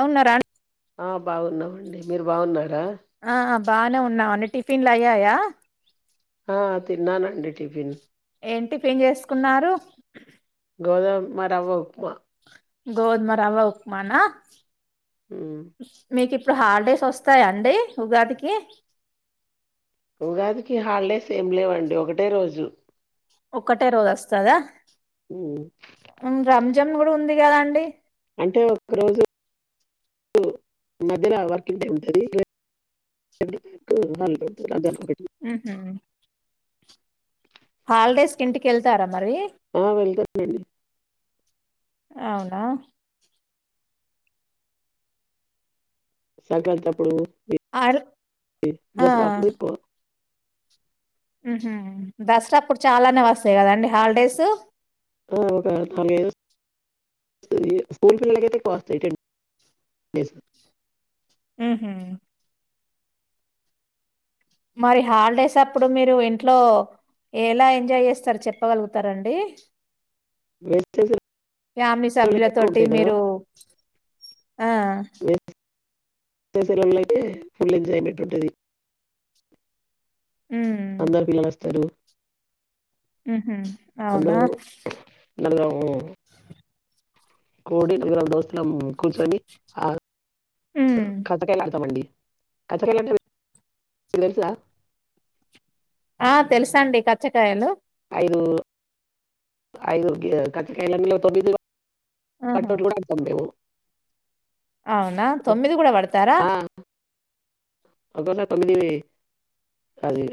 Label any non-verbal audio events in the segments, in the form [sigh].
అవున్నార ఆ బాగున్నామండి మీరు బాగున్నా ఆ బాగానే ఉన్నాం అండి టిఫిన్లు అయ్యాయా ఆ తిన్నాను అండి టిఫిన్ ఏం టిఫీన్ చేసుకున్నారు గోదమ్మ రవ్వ ఉప్మా గోద్మరఅవ్వ ఉప్మానా ఉమ్ మీ కి ఇప్పుడు హాలిడేస్ వస్తాయా అండి ఉగాదికి సే మ్ లేవండి ఒకటే రోజు ఒక్కటే రోజు వస్తదా ఉమ్ ఉం రంజాన్ కూడా ఉంది కదా అండి అంటే ఒక రోజు మధ్యలో వర్కింగ్ డే ఉంటంది [unintelligible] ఉహు హాలిడేస్ కి ఇంటికి ఎళ్తారా మరి ఆ వెళ్తానండి అవునా సంక్రాంతి అప్పుడు అ ఈ ఆ దసరా అప్పుడు ఎక్కువ ఉహుం దసరా అప్పుడు చాలానే వస్తాయి కదా అండి హాలిడేస్ ఒక నాలుగై స్కూల్ పిల్లలక అైతే ఎక్కువ వస్తాయి [unintelligible] ఉ హు మరి హాలిడేస్ అప్పుడు మీరు ఇంట్లో ఎలా ఎంజాయ్ చేస్తారు చెప్పగలుగుతారండి వేసవి ఫ్యామిలీ సెలవులు సభ్యుల అయితే ఎక్కువ తోటి ఉంటాయి కదా మీరు ఆ [unintelligible] ఫుల్ ఎంజాయ్మెంట్ ఉంటుంది అందరు పిల్లలస్తారు ఉ హుం అవునా అందరూ కోడి వివరాలు దోస్త్ కుల్స్వామి హ్మ్. కస్తకాయలాడుతాంమండి [unintelligible] అంట తెలుసా ఆ తెలుసాండి కచ్చకాయలు ఐదు ఐదు గచ్చ కలలో తొమ్మిది ఆహా! పట్టోట్లుతంండవు అవునా తొమ్మిది కూడా పడతారా అదన్న తమ్లివే అది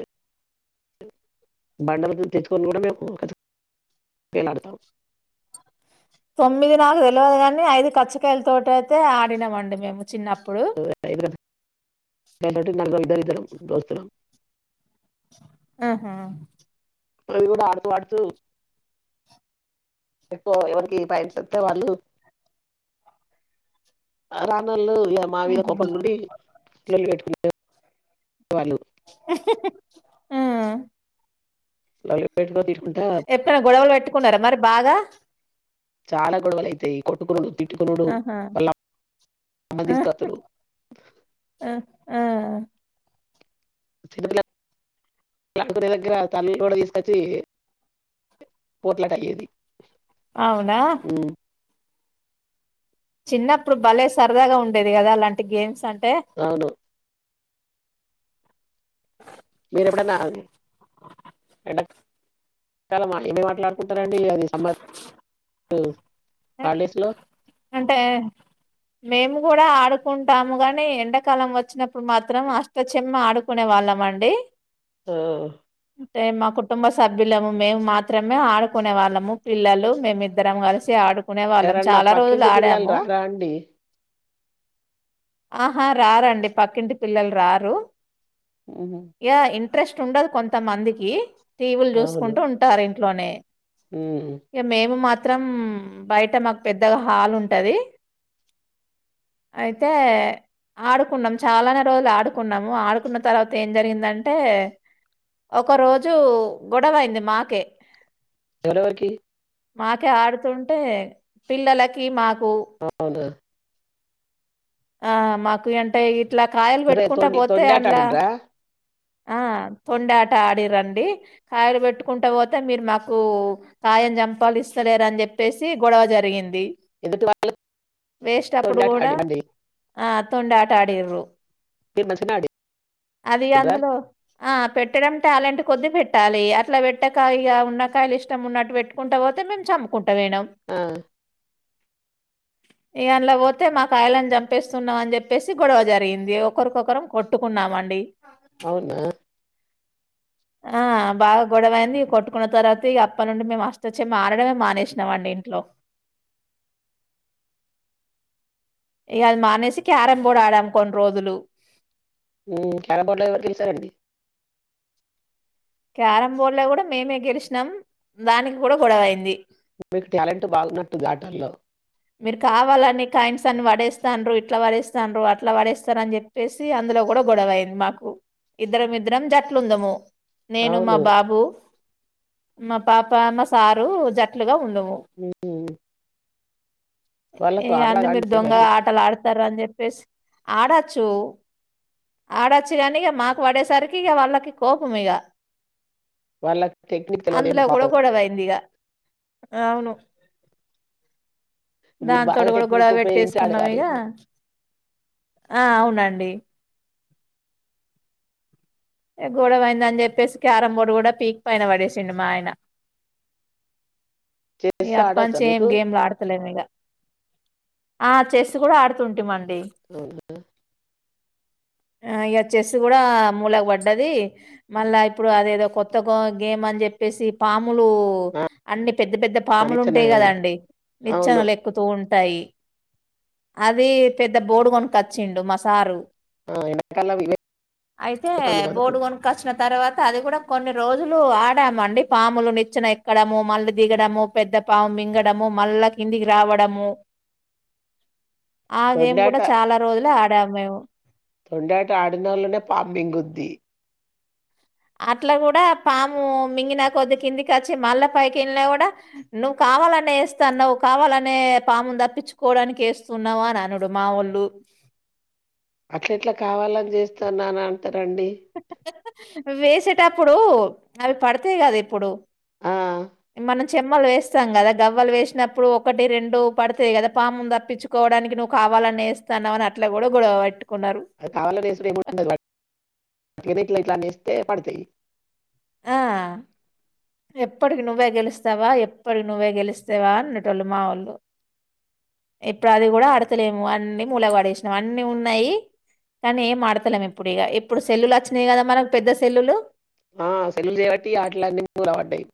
బండల తెచ్చుకొని కూడా మేము కచ్చకాయలు ఆడతాం తొమ్మిది నాకు తెలియదు కానీ ఐదు కచ్చకాయల తోట అయితే ఆడినామండి మేము చిన్నప్పుడు. ఇ [unintelligible] ఇద్దరం దోస్తులం ఆహా అవి కూడా ఆడుతూ ఆడుతూ ఎక్కువ ఎవరికి పయ చెస్తే వాళ్ళు రాణ వాళ్ళు మావిద హుహు. కోపం నుం కిలలుటు [unintelligible] ఆ [unintelligible] ఎప్పుడైనా గొడవలు పెట్టుకున్నారా మరి బాగా చాలా గడవల అైతే ఈ కొట్టుకురు తిట్టుకోనురు ఆహా! మల్ల అమ్మని ఆ! తీసుకోస్తురు ఆ! ఆ! నే దగ్గర తల్లు కూడా తీసుకొచ్చి పోట్లట అయ్యేది అవునా ఉమ్, చిన్నప్పుడు భలే సరదాగా ఉండేది కదా అలాంటి గేమ్స్ అం అవును మీరెప్పుడంట ఏమే మాట్లాడుకుంటారంండి అది సంబ అంటే మేము కూడా ఇడ ఆడుకుంటాము గాని ఎండాకాలం వచ్చినప్పుడు మాత్రం అష్టచమ్మ ఆడుకునే వాళ్ళం అండి హా అంటే మా కుటుంబ సభ్యులము మేము మాత్రమే ఆడుకునే వాళ్ళము పిల్లలు మేమిద్దరం కలిసి ఆడుకునే వాళ్ళం ఎరన్నా చాలా రోజులు పక్కింటి పిల్లలు ఆడాము రారా అండి ఆహా రారంండి పక్కింటి పిల్లలు రారు హు హు ఇక ఇంట్రెస్ట్ ఉండదు కొంతమందికి టీవీలు అవును చూసుకుంటూ ఉంటారు ఇంటి ఇంట్లోనే ఉమ్, ఇక మేము మాత్ త్రం బయట మాకు పెద్దగా హల్ ఉంటుంది అయితే ఆడుకున్నాం చాలానే రోజులు ఆడుకున్నాము ఆడుకున్న తర్వాత ఏం జరిగిందంటే ఒక రోజు గొడవ అయింది మాకే ఎవరెవరికి మాకే ఆడుతుం టే పిల్లలకి మాకు అవునా ఆ మాకు ఎంటైర్ ఇట్లా కాయలు మరి పెట్టుకుంటా తొండి పోతే తొండాట అండ్ల ఆడిండ్రా ఆ తొండాట ఆడి రండి కాయలు పెట్టుకుంటా పోతే మీరు మాకు కాయం చంపాలు ఇస్తలేరని చెప్పేసి గొడవ జరిగింది ఎదుటి వాళ్ళకి వేస్ట్ అప్పుడు తొండాట కూడా ఆడిండండి ఆ తొందాట ఆ డిర్రు మీరు మంచిగనే ఆడిండ్రా అందులో ఆ పెట్టడం టాలెంట్ కొద్ది పెట్టాలి అట్లా పెట్టకాయగా ఉన్నకాయలు ఇష్టం ఉన్నట్టు పెట్టుకుంటా పోతే మేము చంపుకుం ట్ట పోయినం ఆ, ఇక అందులో పోతే మాకాయలను చంపేస్తున్నాం అని చెప్పేసి గొడవ జరిగింది ఒకరికొకరం కొట్టుకున్నామండి అవునా ఆ బా గొడవైంది కొట్టుకున్న తర్వాత ఇగ అప్పట్ నుండి మేము అష్టా చమ్మా ఆడడమే మానేసినామండి ఇంట్లో ఇకది మానేసి క్యారం బోర్డ్ ఆడాము కొన్ని రోజులు హ్మ్ క్యారమ్ బోర్డ్ లో ఎవరు గెలిచారండి క్యారం బోర్డ్ లో కూడా మేమే గెలిచినాం దానికి కూడా గొడవైంది మీకు టాలెంట్ బాగున్నట్టుంది ఆటల్లో మీరు కావాలని కాయిన్స్ అన్ని పడేస్తాన్ రు ఇట్లాపడేస్తాన్ రు అట్లా పడేస్తాన్ రు అని చెప్పేసి అందులో కూడా గొడవ అయింది మాకు ఇద్దరంమిద్దరం జట్లుంన్నము నేను మా అవును బాబు మా పాప మా సారు జట్లుగా ఉండే ఊహు ఏ అన్న మీరు దొంగ మరి ఆటలు ఆడుత తర్ అని చెప్పేసి ఆడొచ్చు ఆడొచ్చు కానిక మాకు పడేసరికి ఇక వాళ్ళకి కోపం ఇగ వాళ్ళకి టెక్నిక్ తెలవదేమో అందులో కూడా పాపం గొడవయింది ఇక అవును మీరు దాంతోటి బాగా కూడా టెక్నిక్ గొడవ ఉపయోగించి పెట్టేసుకున్నాం ఇక ఆడేవారేమో ఆ అవునండి గొడవైంద అని చెప్పేసి క్యారం బోర్డు కూడా పీక్ పైన పడేసిండు మా ఆయన ఇగ చెస్ ఆడొచ్చా అప్పంచి ఏం మీకు గేమ్లు ఆడతలేము ఇక ఆ చెస్ కూడా ఆడుతుంటి మన్ అవునా ఆ ఇగ చెస్సు కూడా మూలక్ పడ డది మల్లా ఇప్పుడు అదేదో కొత్త గో గేమ్ అని చెప్పేసి పాము పాములు అన్ని పెద్ద పెద్ద ఆ పాములు నిచ్చెన ఉంటాయి అది కదాండి అవును నిచ్చనలు ఎక్కుతూ ఉం టాయి అది పెద్ద బోడు కొనకొచ్చిండు మసారు ఆ అయితే [unintelligible] బోర్డు కొనకొచ్చిన తర్వాత అది కూడా కొన్ని రోజులు ఆడామండి పాములు నిచ్చిన ఎక్కడము మళ్ళీ దిగడము పెద్ద పాము మింగడము మళ్ళా కిందికి రావడము ఆ గేమ్ తొండాట కూడా చాలా రోజులే ఆ డామ్ మేము తొండేట ఆడినోళ్ళనే పాం మింగుది అట్లా కూడా పాము మింగినా కొద్ది కిందికి వచ్చి మల్లపైకెళ్ళిన కూడా నువ్వు కావాలనే వేస్తాన్నావ్వు కావాలనే పాము దప్పించుకోవడానికి వేస్తున్నావు అని అనడు మా ఒళ్ళు అట్ల ఎట్లా కావాలని చేస్తాన్నానన్ వేసేటప్పుడు ఇప్పుడు అవి పడితేయి కదా ఇప్పుడు ఆ మనం చెమ్మలు వేస్తాం కదా గవ్వలు వేసినప్పుడు ఒకటి రెండు పడుతుంది కదా పామును తప్పించుకోవడానికి నువ్వు కావాలని వేస్తానవు అట్లా కూడా గొడవట్టు అది కావాలే ఎసుడు [unintelligible] ఇట్లా ఇట్లా అనే ఇస్తే పడతాయి ఆ! ఎప్పటికి నువ్వే గెలుస్తావా ఎప్పటికి నువ్వే గెలుస్తావా అన్నటోళ్ళు మా వాళ్ళు ఇప్పుడు అది కూడా ఆడతలేము అన్ని మూలగాడేసినాము అన్ని ఉన్నాయి కానీ ఏం ఆడతలేము ఎప్పుడు ఇగా ఇప్పుడు సెల్లులు వచ్చినయి కదా మనకు పెద్ద సెల్లులు ఆ సెల్లు బట్టి ఆటిలన్ని మూల పడ్డాయి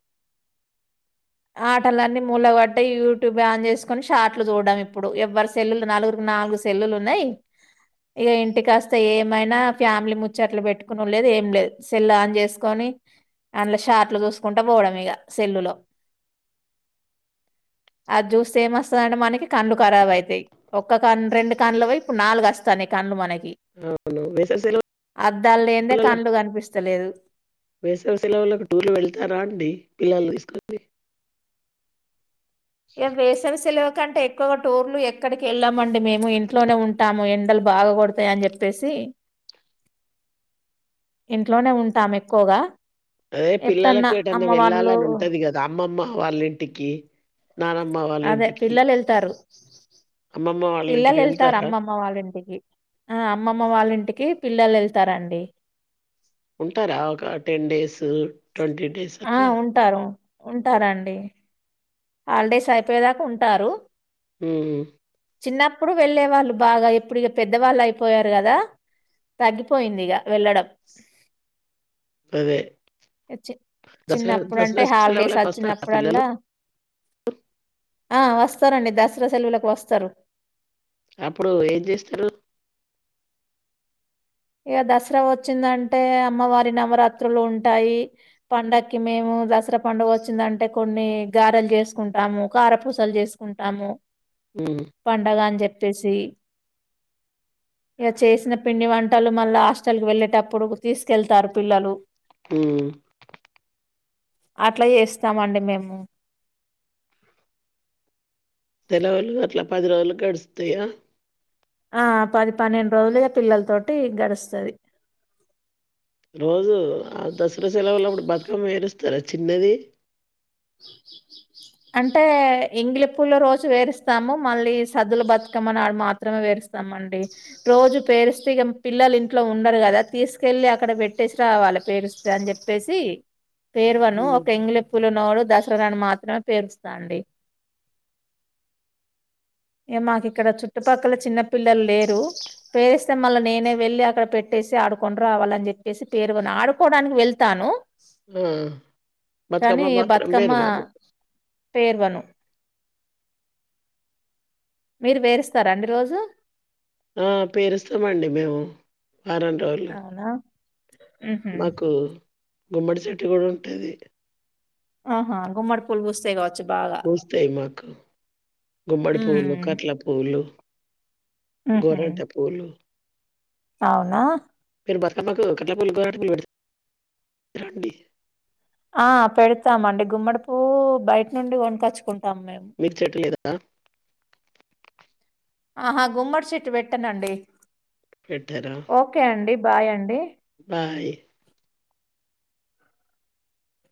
ఆటలన్నీ మూలగట్టా యూట్యూబ్ ఆన్ చేసుకొని షార్ట్లు చూడడం ఇప్పుడు ఎవ్వరి సెల్లులు నాలుగురుకి నాలుగు సెల్లులు ఉన్నాయి ఇగా ఇంటికి వస్తే ఏమైనా ఫ్యామిలీ ముచ్చట్లు పెట్టుకుని లేదు ఏం లేదు సెల్ ఆన్ చేసుకొని అందులో షార్ట్లు చూసుకుంటా పోవడం ఇగా సెల్లు లో ఆ జేస్తే ఏమస్తందట మనకి కళ్ళు కారాబ్ అయితాయి ఒక్క కన్ను రెండు కళ్డ్లు పోయి ఇప్పుడు నాలుగు వస్తున్నాయ్ కండ్లు మనకి అవును వేసవి సెల అద్దాలు లేనిదే ల ల కళ్ళు కనిపిస్తలేదు వేసవిసేలవులకి టూర్లు వెళ్తారా అండి పిల్లలు తీసుకో [unintelligible] ఏ వేసవి సేల కంటే ఎక్కుగా టోర్లు ఎక్కడికి వెళ్ళాం మండి మేము ఇంట్లోనే ఉంటాము ఎండలు బాగా కోడ్ టాయ్ అని చెప్పేసి ఇంట్లోనే ఉంటాం ఎక్కువగా ఏ ఎప్పుడన్నా పిల్లలకు ఏటన్నా అమ్మ వాళ్ళు వెళ్ళాలని ఉంటది కదా అమ్మమ్మ వాళ్ళ ఇంటికి నానమ్మ వాళ్ళ అదే ఇంటికి పిల్లలు ఏళ్తారా అమ్మమ్మ వాళ్ళ ఇంటికి పిల్లలు ఏళ్తారా వెళ్తారా అమ్మమ్మ వాళ్ళింటికి ఆ అమ్మమ్మ వాళ్ళ ఇంటికి పిల్లలు వెళ్తారండి ఉంటారా ఒక టెన్ డేస్ ట్వంటీ డేస్ ఆ అట్లా ఉంటారు ఉంటారండి హాలిడేస్ అయిపోయేదాకా ఉంటారు ఉమ్ చిన్నప్పుడు వెళ్ళే వాళ్ళు బాగా ఎప్పుడు ఇగ పెద్దవాళ్ళు అయిపోయారు కదా తగ్గిపోయింది ఇగ వెళ్ళడం అదే ఎచి దసరా చిన్నప్పుడు అంటే దసరా హాలిడేస్ సెలవులకు వస్తారా పిల్లలు అచ్చినప్పుడల్లా ఆ వస్తరండి దసరా సెలవులకు వస్తరు అప్పుడు ఏం చేస్తారు గ క దసరా వచ్చిందంటే అమ్మవారి నవరాత్రులు ఉంటాయి, పండకి మేము దసరా పండుగ వచ్చిందంటే కొన్ని గారెలు చేసుకుంటాము, కారపూసలు చేసుకుంటాము. ఉమ్, పండగా ఆన్ జెప్ పెసి ఇగ చేసిన పండి వం ట్టలు మళ్ళా హస్టల్కు వెళ్ళలేటప్పుడు తీసుకెళ్తారు పిల్లలు ఊ అట్ల చేస్తామండి మేము సెలవులు అట్లా పది రోజులు గడుస్తయా ఆ పది పన్నెండు రోజులుగా పిల్లల తోటి గడుస్తది రోజు ఆ దసరా సెలవులప్పుడు బతుకమ్మ వేరుస్ తర చిన్నది అంటే ఎంగిలి పూల రోజు వేరుస్తాము మళ్ళీ సద్దులు బతుకమ్మనాడు మాత్రమే పేరుస్తామండి రోజు పేరుస్తే ఇక పిల్లలు ఇంట్లో ఉండరు కదా తీసుకెళ్ళి అక్కడ పెట్టేసి రావల్ల పేరుస్తే అని చెప్పేసి పేర్వను ఉమ్, ఒక ఎంగిలి పూలనోడు దాసరానాడు మాత్రమే పేరుస్తాండి, ఇగ మాకు ఇక్కడ చుట్టుపక్కల చిన్న పిల్లలు లేరు పేరుస్తే మళ్ళ నేనే వెళ్ళి అక్కడ పెట్టేసి ఆడుకొని రావాలని చెప్పేసి పేర్వను ఆడుకోడానికి వెళ్తాను. ఊ బత్కమ్మ మాత్రం కమా పేరువారు పేర్వను మీరు వేరుస్తరా అండి రోజు ఆ పేరుస్తామండి మేము ఆరం రోలు అవునా! హుహు. మాకు గుమ్మడి చెట్టు కూడా ఉంటది ఆహా గుమ్మడి పూలు బూస్తయ్ గవచ్ పూస్తాయి మాకు గుమ్మడి పూలు హ్మ్. కట్ల పూలు హుహు. గోరంట పూలు అవునా మీరు బతుకమ్మకు కట్ల పూలు గోరంట పూలు వెడ్ తారండి ఆ పెడతామండి గుమ్మడి పూ బయట నుండి గొనకొచ్చుకుం మీకు చెట్టు లేదా ఆహా గుమ్మడి చెట్టు పెట్టనండి పెట్టరా ఓకే అండి. బాయ్ అండి బాయ్